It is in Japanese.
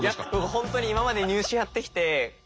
本当に今まで「ニュー試」やってきてえっ